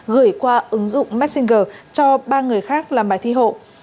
gửi qua ứng dụng messenger cho ba người khác làm bài thi hộ